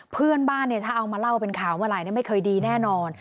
เพื่อนบ้านเนี่ยถ้าเอามาเล่าเป็นข่าวเมื่อไหร่ไม่เคยดีแน่นอน